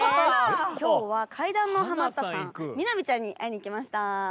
今日は怪談のハマったさん美波ちゃんに会いにきました。